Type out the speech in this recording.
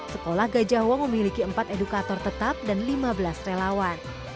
sekolah gajah wong memiliki empat edukator tetap dan lima belas relawan